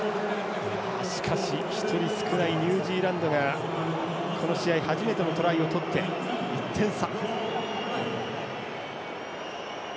１人少ないニュージーランドがこの試合初めてのトライを取って１点差。